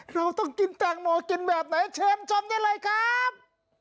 เราต้องกินแตงโมกินแบบไหนเชิญชมได้เลยครับ